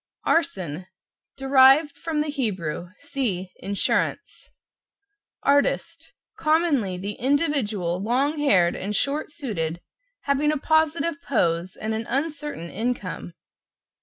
=ARSON= Derived from the Hebrew. (See =INSURANCE=). =ARTIST= Commonly, the individual long haired and short suited, having a positive pose and an uncertain income.